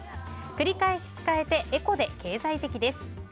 繰り返し使えてエコで経済的です。